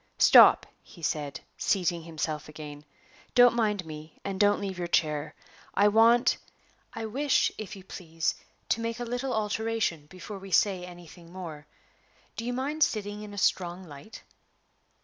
"Stop," he said, seating himself again; "don't mind me; and don't leave your chair. I want I wish, if you please, to make a little alteration, before we say anything more. Do you mind sitting in a strong light?"